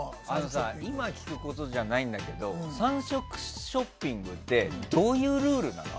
今、聞くことじゃないけど３色ショッピングってどういうルールなの？